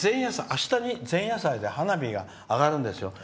あした、前夜祭で花火が上がるんですよ。